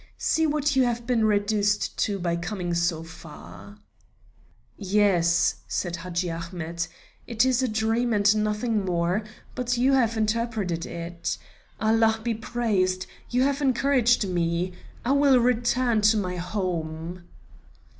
See what you have been reduced to by coming so far." "Yes," said Hadji Ahmet, "it is a dream and nothing more, but you have interpreted it. Allah be praised, you have encouraged me; I will return to my home."